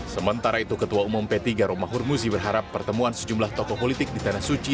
sementara itu ketua umum pt garom mahurmuzi berharap pertemuan sejumlah tokoh politik di tanah suci